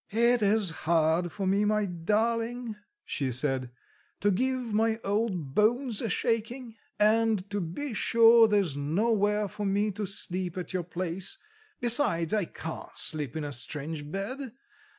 "It is hard for me, my darling," she said, "to give my old bones a shaking; and to be sure there's nowhere for me to sleep at your place: besides, I can't sleep in a strange bed.